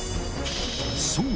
そう！